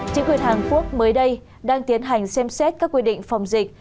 chính quyền hàn quốc mới đây đang tiến hành xem xét các quy định phòng dịch